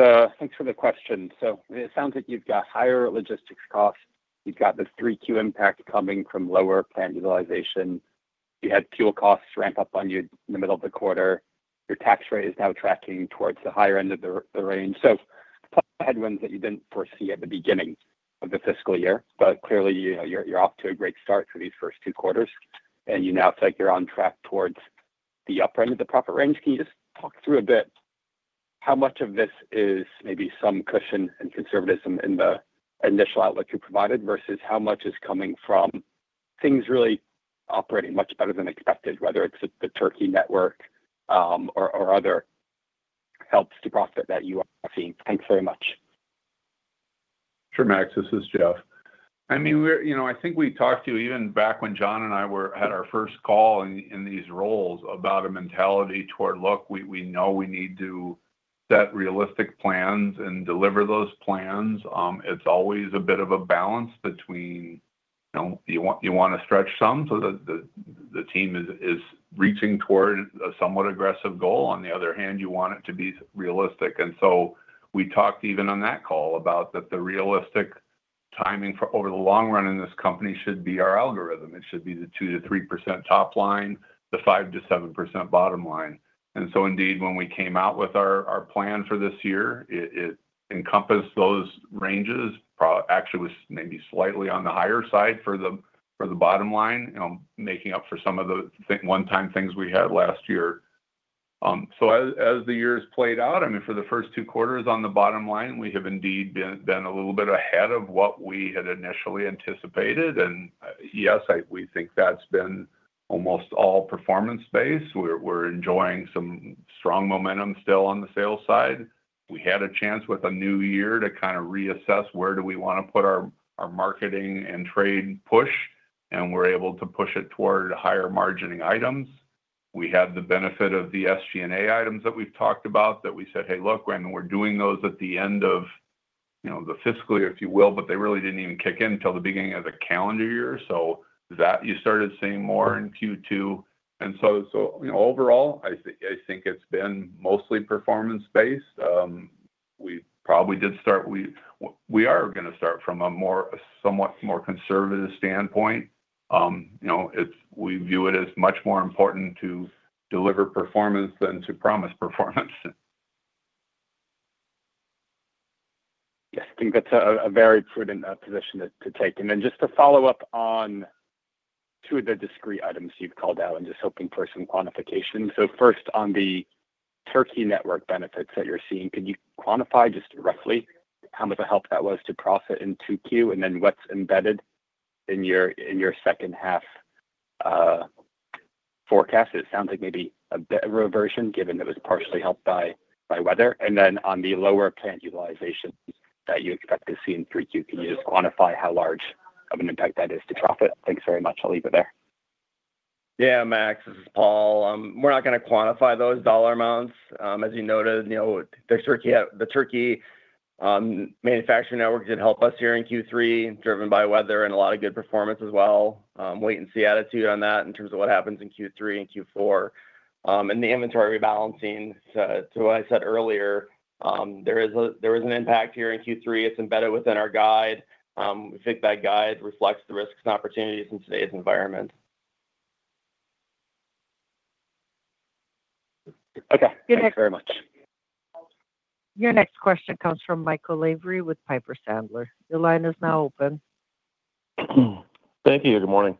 Speaker 11: the question. It sounds like you've got higher logistics costs. You've got the 3Q impact coming from lower plant utilization. You had fuel costs ramp up on you in the middle of the quarter. Your tax rate is now tracking towards the higher end of the range. Plenty of headwinds that you didn't foresee at the beginning of the fiscal year, clearly, you're off to a great start for these first two quarters, and you now think you're on track towards the upper end of the proper range. Can you just talk through a bit how much of this is maybe some cushion and conservatism in the initial outlook you provided versus how much is coming from things really operating much better than expected, whether it's the turkey network or other helps to profit that you are seeing? Thanks very much.
Speaker 3: Sure, Max, this is Jeff. I think we talked to you even back when John and I were at our first call in these roles about a mentality toward, look, we know we need to set realistic plans and deliver those plans. It's always a bit of a balance between, you want to stretch some so the team is reaching toward a somewhat aggressive goal. On the other hand, you want it to be realistic. We talked even on that call about that the realistic timing for over the long run in this company should be our algorithm. It should be the 2%-3% top line, the 5%-7% bottom line. Indeed, when we came out with our plan for this year, it encompassed those ranges. Actually, it was maybe slightly on the higher side for the bottom line, making up for some of the one-time things we had last year. As the years played out, for the first two quarters on the bottom line, we have indeed been a little bit ahead of what we had initially anticipated. Yes, we think that's been almost all performance-based. We're enjoying some strong momentum still on the sales side. We had a chance with a new year to reassess where do we want to put our marketing and trade push, and we're able to push it toward higher margining items. We had the benefit of the SG&A items that we've talked about that we said, "Hey, look, we're doing those at the end of the fiscal year," if you will, they really didn't even kick in until the beginning of the calendar year. That you started seeing more in Q2. Overall, I think it's been mostly performance-based. We are going to start from a somewhat more conservative standpoint. We view it as much more important to deliver performance than to promise performance.
Speaker 11: Yes. I think that's a very prudent position to take. Then just to follow up on two of the discrete items you've called out and just hoping for some quantification. First, on the turkey network benefits that you're seeing, could you quantify just roughly how much a help that was to profit in 2Q, and then what's embedded in your second half forecast? It sounds like maybe a bit of a reversion, given it was partially helped by weather. Then on the lower plant utilization that you expect to see in 3Q, can you just quantify how large of an impact that is to profit? Thanks very much. I'll leave it there.
Speaker 5: Yeah, Max, this is Paul. We're not going to quantify those dollar amounts. As you noted, the turkey manufacturing network did help us here in Q3, driven by weather and a lot of good performance as well. Wait and see attitude on that in terms of what happens in Q3 and Q4. The inventory rebalancing, to what I said earlier, there is an impact here in Q3. It's embedded within our guide. We think that guide reflects the risks and opportunities in today's environment.
Speaker 11: Okay. Thank you very much.
Speaker 1: Your next question comes from Michael Lavery with Piper Sandler.
Speaker 12: Thank you. Good morning.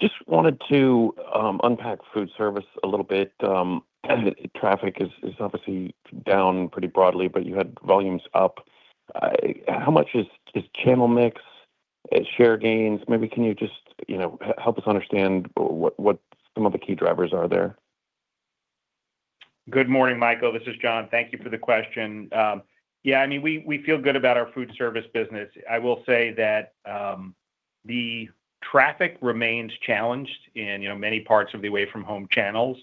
Speaker 12: Just wanted to unpack Foodservice a little bit. Traffic is obviously down pretty broadly. You had volumes up. How much is channel mix, share gains? Maybe can you just help us understand what some of the key drivers are there?
Speaker 4: Good morning, Michael. This is John. Thank you for the question. We feel good about our Foodservice business. I will say that the traffic remains challenged in many parts of the away-from-home channels,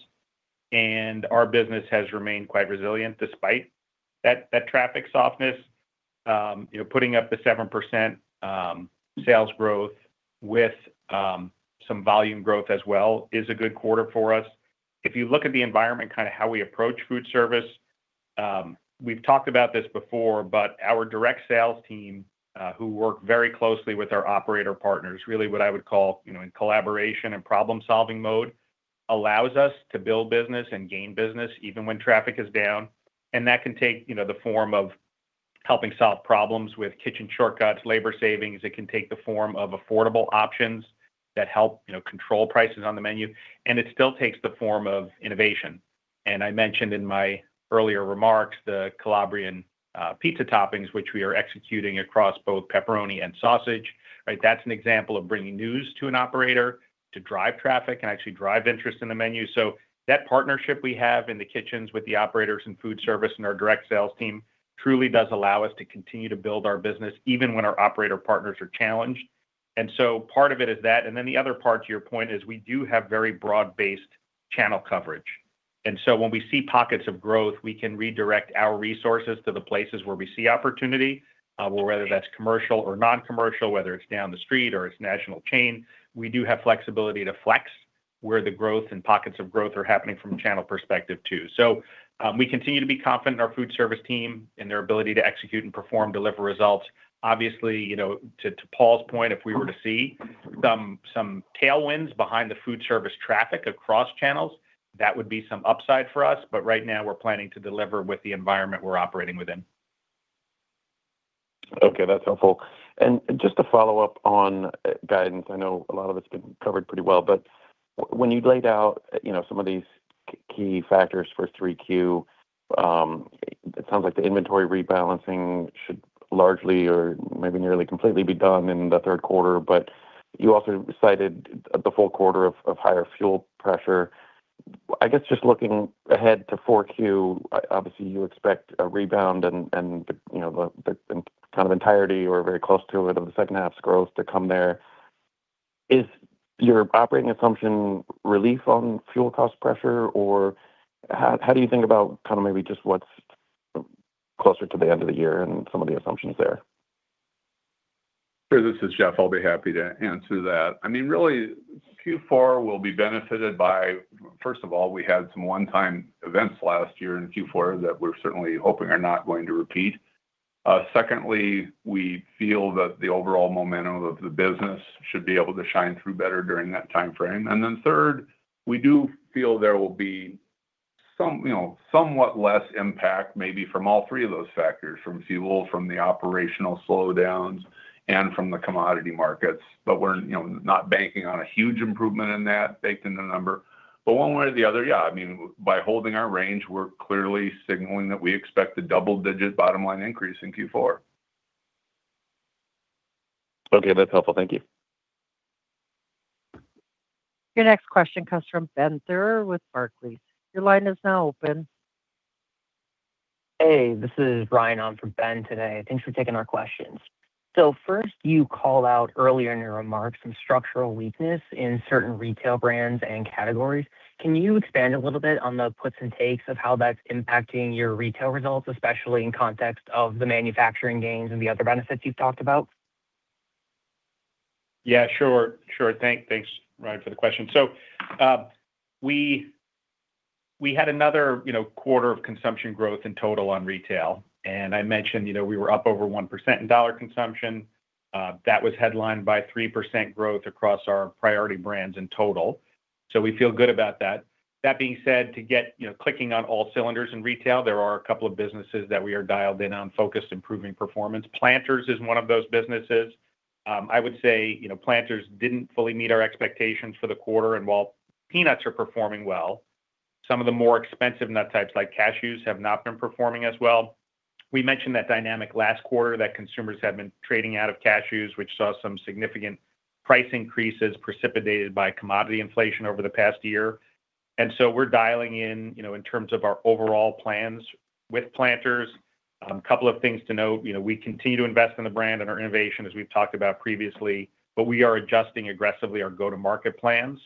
Speaker 4: and our business has remained quite resilient despite that traffic softness. Putting up the 7% sales growth with some volume growth as well is a good quarter for us. If you look at the environment, how we approach Foodservice, we've talked about this before, our direct sales team, who work very closely with our operator partners, really what I would call in collaboration and problem-solving mode, allows us to build business and gain business even when traffic is down. That can take the form of helping solve problems with kitchen shortcuts, labor savings. It can take the form of affordable options that help control prices on the menu, and it still takes the form of innovation. I mentioned in my earlier remarks, the Calabrian pizza toppings, which we are executing across both pepperoni and sausage. That's an example of bringing news to an operator to drive traffic and actually drive interest in the menu. That partnership we have in the kitchens with the operators in Foodservice and our direct sales team truly does allow us to continue to build our business even when our operator partners are challenged. Part of it is that, and then the other part to your point is we do have very broad-based channel coverage. When we see pockets of growth, we can redirect our resources to the places where we see opportunity, whether that's commercial or non-commercial, whether it's down the street or it's national chain. We do have flexibility to flex where the growth and pockets of growth are happening from a channel perspective, too. We continue to be confident in our Foodservice team and their ability to execute and perform, deliver results. Obviously, to Paul's point, if we were to see some tailwinds behind the Foodservice traffic across channels, that would be some upside for us. Right now, we're planning to deliver with the environment we're operating within.
Speaker 12: Okay, that's helpful. Just to follow up on guidance, I know a lot of it's been covered pretty well. When you laid out some of these key factors for 3Q, it sounds like the inventory rebalancing should largely or maybe nearly completely be done in the third quarter. You also cited the full quarter of higher fuel pressure. I guess, just looking ahead to 4Q, obviously, you expect a rebound and the entirety or very close to it of the second half's growth to come there. Is your operating assumption relief on fuel cost pressure, or how do you think about maybe just what's closer to the end of the year and some of the assumptions there?
Speaker 3: Sure, this is Jeff. I'll be happy to answer that. Really, Q4 will be benefited by, first of all, we had some one-time events last year in Q4 that we're certainly hoping are not going to repeat. Secondly, we feel that the overall momentum of the business should be able to shine through better during that timeframe. Third, we do feel there will be somewhat less impact maybe from all three of those factors, from fuel, from the operational slowdowns, and from the commodity markets. We're not banking on a huge improvement in that, baked in the number. One way or the other, yeah, by holding our range, we're clearly signaling that we expect a double-digit bottom-line increase in Q4.
Speaker 12: Okay, that's helpful. Thank you.
Speaker 1: Your next question comes from Ben Theurer with Barclays. Your line is now open.
Speaker 13: Hey, this is Ryan on for Ben today. Thanks for taking our questions. First, you called out earlier in your remarks some structural weakness in certain retail brands and categories. Can you expand a little bit on the puts and takes of how that's impacting your retail results, especially in context of the manufacturing gains and the other benefits you've talked about?
Speaker 4: Yeah, sure. Thanks, Ryan, for the question. We had another quarter of consumption growth in total on retail. I mentioned we were up over 1% in dollar consumption. That was headlined by 3% growth across our priority brands in total. We feel good about that. That being said, to get clicking on all cylinders in retail, there are a couple of businesses that we are dialed in on focused improving performance. PLANTERS is one of those businesses. I would say PLANTERS didn't fully meet our expectations for the quarter. While peanuts are performing well, some of the more expensive nut types like cashews have not been performing as well. We mentioned that dynamic last quarter, that consumers had been trading out of cashews, which saw some significant price increases precipitated by commodity inflation over the past year. We're dialing in terms of our overall plans with PLANTERS. A couple of things to note. We continue to invest in the brand and our innovation, as we've talked about previously. We are adjusting aggressively our go-to-market plans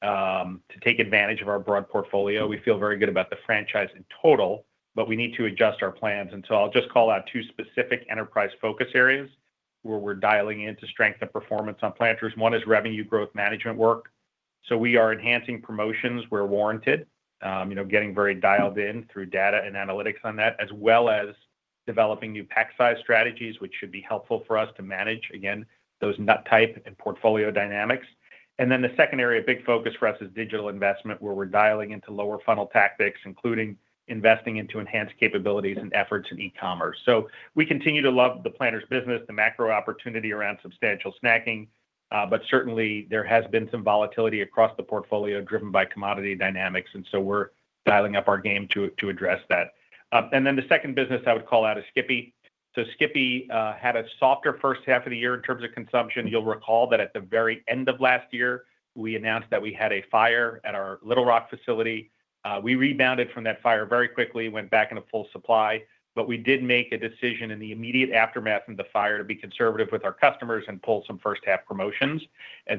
Speaker 4: to take advantage of our broad portfolio. We feel very good about the franchise in total. We need to adjust our plans. I'll just call out two specific enterprise focus areas where we're dialing in to strengthen performance on PLANTERS. One is revenue growth management work. We are enhancing promotions where warranted. Getting very dialed in through data and analytics on that, as well as developing new pack size strategies, which should be helpful for us to manage, again, those nut type and portfolio dynamics. The second area of big focus for us is digital investment, where we're dialing into lower funnel tactics, including investing into enhanced capabilities and efforts in e-commerce. We continue to love the PLANTERS business, the macro opportunity around substantial snacking. Certainly, there has been some volatility across the portfolio driven by commodity dynamics, we're dialing up our game to address that. The second business I would call out is SKIPPY. SKIPPY had a softer first half of the year in terms of consumption. You'll recall that at the very end of last year, we announced that we had a fire at our Little Rock facility. We rebounded from that fire very quickly, went back into full supply. We did make a decision in the immediate aftermath of the fire to be conservative with our customers and pull some first half promotions.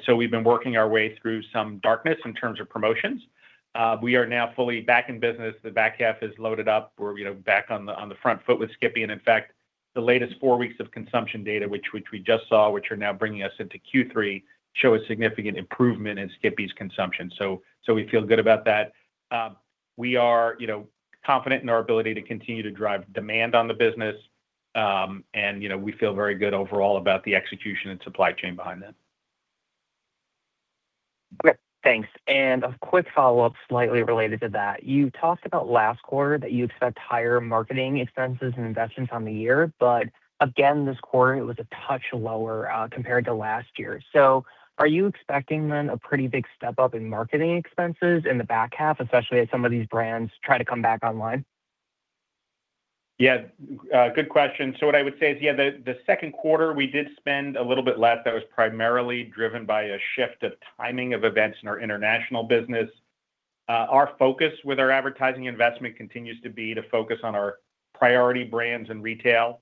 Speaker 4: So we've been working our way through some darkness in terms of promotions. We are now fully back in business. The back half is loaded up. We're back on the front foot with SKIPPY. In fact, the latest four weeks of consumption data, which we just saw, which are now bringing us into Q3, show a significant improvement in SKIPPY's consumption. We feel good about that. We are confident in our ability to continue to drive demand on the business. We feel very good overall about the execution and supply chain behind that.
Speaker 13: Okay, thanks. A quick follow-up slightly related to that. You talked about last quarter that you expect higher marketing expenses and investments on the year, but again, this quarter it was a touch lower compared to last year. Are you expecting then a pretty big step-up in marketing expenses in the back half, especially as some of these brands try to come back online?
Speaker 4: Good question. What I would say is, the second quarter, we did spend a little bit less. That was primarily driven by a shift of timing of events in our international business. Our focus with our advertising investment continues to be to focus on our priority brands and retail.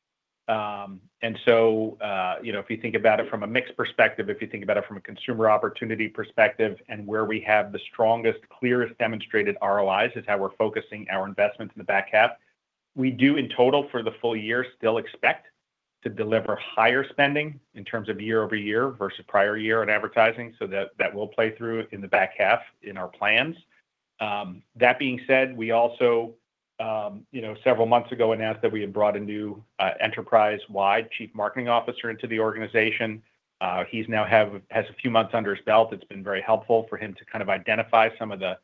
Speaker 4: If you think about it from a mix perspective, if you think about it from a consumer opportunity perspective, and where we have the strongest, clearest demonstrated ROIs is how we're focusing our investments in the back half. We do in total for the full year still expect to deliver higher spending in terms of year-over-year versus prior year in advertising. That will play through in the back half in our plans. That being said, we also several months ago announced that we had brought a new enterprise-wide chief marketing officer into the organization. He now has a few months under his belt. It's been very helpful for him to kind of identify some of the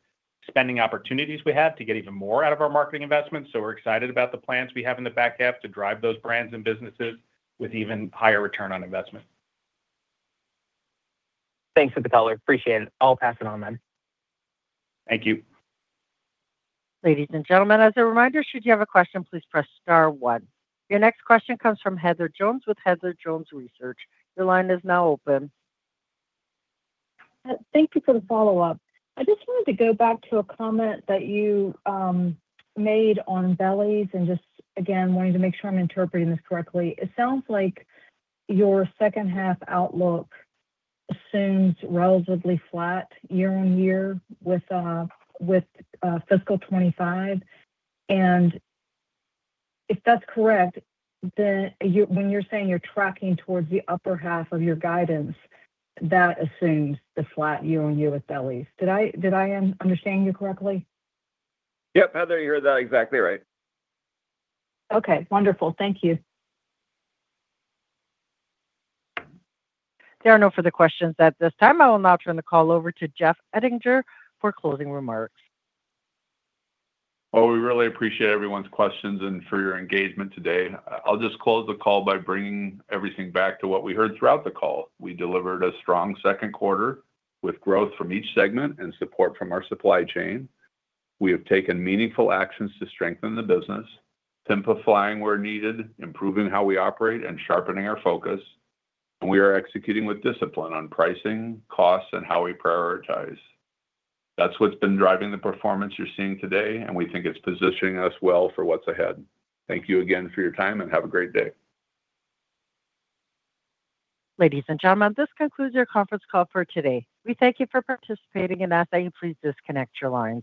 Speaker 4: spending opportunities we have to get even more out of our marketing investments. We're excited about the plans we have in the back half to drive those brands and businesses with even higher return on investment.
Speaker 13: Thanks for the color. Appreciate it. I'll pass it on then.
Speaker 4: Thank you.
Speaker 1: Ladies and gentlemen, as a reminder, should you have a question, please press star one. Your next question comes from Heather Jones with Heather Jones Research. Your line is now open.
Speaker 8: Thank you for the follow-up. I just wanted to go back to a comment that you made on bellies and just again, wanting to make sure I'm interpreting this correctly. It sounds like your second half outlook assumes relatively flat year-on-year with fiscal 2025. If that's correct, then when you're saying you're tracking towards the upper half of your guidance, that assumes the flat year-on-year with bellies. Did I understand you correctly?
Speaker 5: Yep, Heather, you heard that exactly right.
Speaker 8: Okay, wonderful. Thank you.
Speaker 1: There are no further questions at this time. I will now turn the call over to Jeff Ettinger for closing remarks.
Speaker 3: Well, we really appreciate everyone's questions and for your engagement today. I'll just close the call by bringing everything back to what we heard throughout the call. We delivered a strong second quarter with growth from each segment and support from our supply chain. We have taken meaningful actions to strengthen the business, simplifying where needed, improving how we operate, and sharpening our focus. We are executing with discipline on pricing, costs, and how we prioritize. That's what's been driving the performance you're seeing today, and we think it's positioning us well for what's ahead. Thank you again for your time, and have a great day.
Speaker 1: Ladies and gentlemen, this concludes your conference call for today. We thank you for participating and ask that you please disconnect your lines.